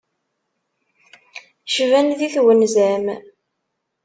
Cban di twenza-m.